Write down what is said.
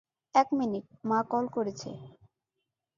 এক মিনিট, মা কল করেছে।